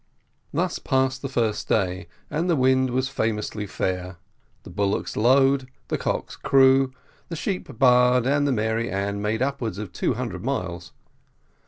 Thus passed the first day, and the wind was famously fair the bullocks lowed, the cocks crew, the sheep baa'd, and the Mary Ann made upwards of two hundred miles.